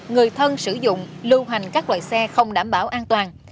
người thân sử dụng lưu hành các loại xe không đảm bảo an toàn